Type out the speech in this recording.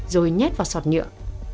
rồi nhét vào sọt nhựa